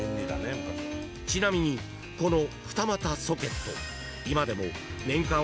［ちなみにこの二股ソケット］